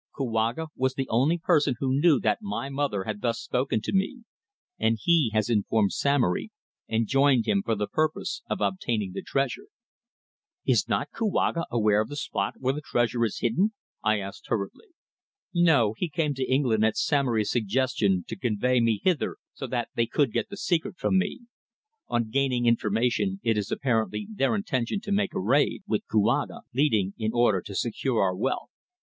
Kouaga was the only person who knew that my mother had thus spoken to me, and he has informed Samory and joined him for the purpose of obtaining the treasure." "Is not Kouaga aware of the spot where the treasure is hidden?" I asked hurriedly. "No. He came to England at Samory's suggestion to convey me hither so that they could get the secret from me. On gaining the information it is apparently their intention to make a raid, with Kouaga leading, in order to secure our wealth."